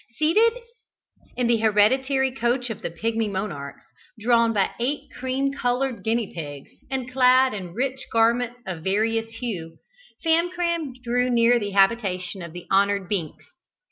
Seated in the hereditary coach of the Pigmy monarchs, drawn by eight cream coloured guinea pigs, and clad in rich garments of various hue, Famcram drew near to the habitation of the honoured Binks.